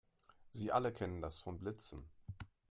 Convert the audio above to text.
Sie alle kennen das von Blitzen.